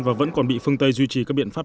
và vẫn còn bị phương tây duy trì các biện pháp